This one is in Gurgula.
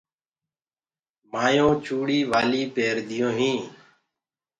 مآيونٚ چوُڙي والي پيرديونٚ هينٚ